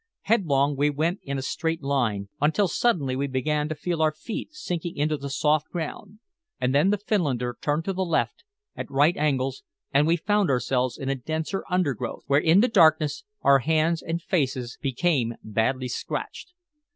Headlong we went in a straight line, until suddenly we began to feel our feet sinking into the soft ground, and then the Finlander turned to the left, at right angles, and we found ourselves in a denser undergrowth, where in the darkness our hands and faces became badly scratched.